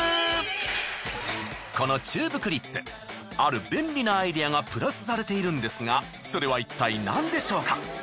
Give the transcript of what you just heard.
このチューブクリップある便利なアイデアがプラスされているんですがそれはいったいなんでしょうか？